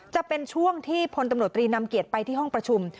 จะเป็นช่วงที่พลตำรวจตรีนำเกียรติไปที่ห้องประชุม